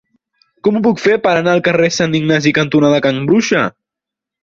Com ho puc fer per anar al carrer Sant Ignasi cantonada Can Bruixa?